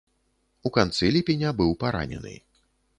У канцы ліпеня быў паранены.